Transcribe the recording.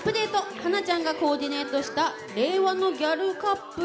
華ちゃんがコーディネートした令和のギャルカップル。